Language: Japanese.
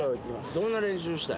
どんな練習したい？